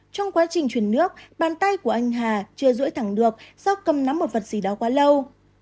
trong quá trình chuyển nước bàn tay của anh hà chưa rưỡi thẳng được do cầm nắm một vật gì đó quá lâu